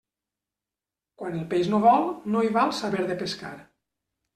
Quan el peix no vol, no hi val saber de pescar.